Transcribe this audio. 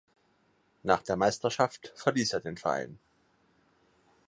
Nach der Meisterschaft verließ er den Verein.